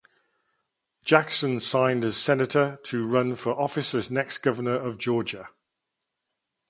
Jackson resigned as Senator to run for office as next Governor of Georgia.